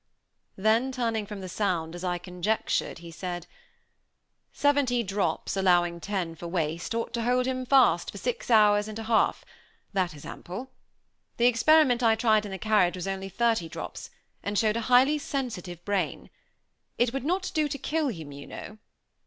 Then turning from the sound, as I conjectured, he said: "Seventy drops, allowing ten for waste, ought to hold him fast for six hours and a half that is ample. The experiment I tried in the carriage was only thirty drops, and showed a highly sensitive brain. It would not do to kill him, you know.